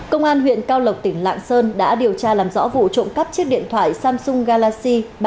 công an huyện cao lộc tỉnh lạng sơn đã điều tra làm rõ vụ trộm cắp chiếc điện thoại samsung galaxy